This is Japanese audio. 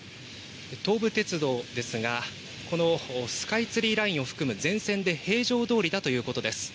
東武鉄道ですが、このスカイツリーラインを含む全線で平常どおりだということです。